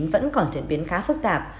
vẫn còn diễn biến khá phức tạp